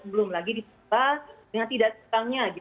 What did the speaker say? belum lagi disubah dengan tidak setangnya